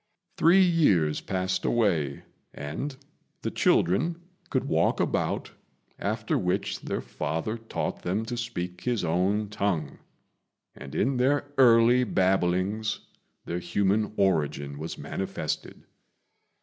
Three years passed away, and the children could walk about, after which their father taught them to speak his own tongue; and in their early babblings their human origin was manifested.